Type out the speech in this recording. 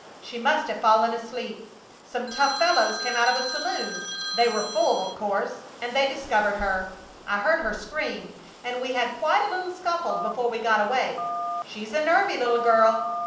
She must have fallen asleep. Some tough fellows came out of a saloon they were full, of course and they discovered her. I heard her scream, and we had quite a little scuffle before we got away. She's a nervy little girl.